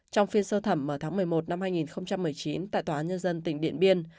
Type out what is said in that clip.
trong phiên sơ thẩm vào tháng một mươi một năm hai nghìn một mươi chín tại tòa án nhân dân tỉnh điện biên